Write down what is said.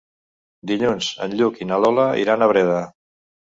Dilluns en Lluc i na Lola iran a Breda.